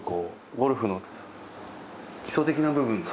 ゴルフの基礎的な部分が。